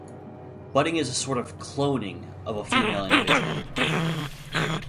Budding is a sort of cloning of a female individual.